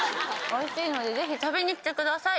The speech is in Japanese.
おいしいので、ぜひ食べに来てください。